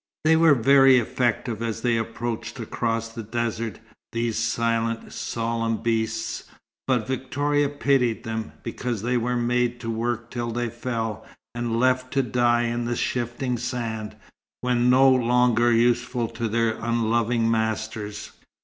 They were very effective, as they approached across the desert, these silent, solemn beasts, but Victoria pitied them, because they were made to work till they fell, and left to die in the shifting sand, when no longer useful to their unloving masters.